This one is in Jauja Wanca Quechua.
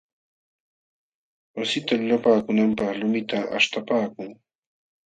Wasita lulapaakunanpaq lumita aśhtapaakun.